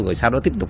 rồi sau đó tiếp tục